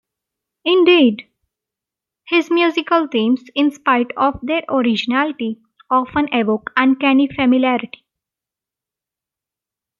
Indeed, his musical themes, in spite of their originality, often evoke uncanny familiarity.